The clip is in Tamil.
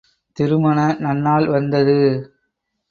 திருமண நன்னாள் வந்தது.